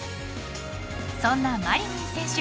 そんなマリニン選手